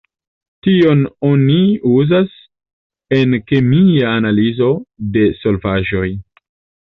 Tion oni uzas en kemia analizo de solvaĵoj.